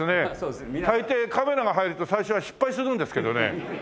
大抵カメラが入ると最初は失敗するんですけどね。